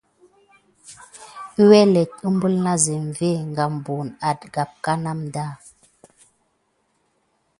Əwelet umbul na zenve ka an buwune adek əsleget ləŋgə.